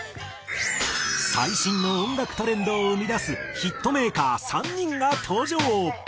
最新の音楽トレンドを生み出すヒットメーカー３人が登場。